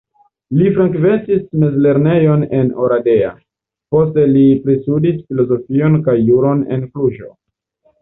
Li frekventis mezlernejon en Oradea, poste li pristudis filozofion kaj juron en Kluĵo.